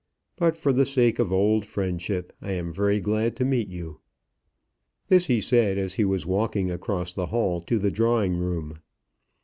But for the sake of old friendship, I am very glad to meet you." This he said, as he was walking across the hall to the drawing room.